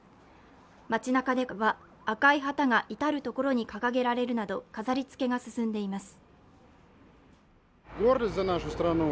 街なかでは赤い旗が至る所に掲げられるなど飾りつけが進んでいます。